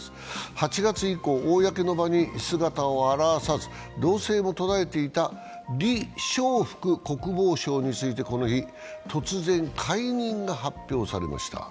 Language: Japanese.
８月以降公の場に姿を現さず、動静が途絶えていた李尚福国防相についてこの日、突然、解任が発表されました。